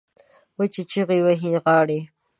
وچې چیغې وهي غاړې